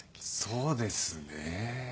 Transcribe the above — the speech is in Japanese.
そうですね。